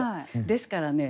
ですからね